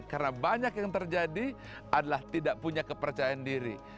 karena banyak yang terjadi adalah tidak punya kepercayaan diri